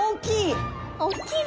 大きい。